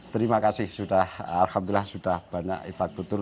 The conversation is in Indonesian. terima kasih sudah alhamdulillah sudah banyak ifatutur